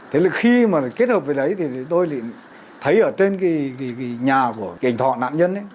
thế là khi mà kết hợp với đấy thì tôi thấy ở trên nhà của anh thọ nạn nhân